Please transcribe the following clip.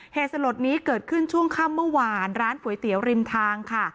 เหตุสลดนี้เกิดขึ้นช่วงค่ำเมื่อวานร้านก๋วยเตี๋ยวริมทางค่ะ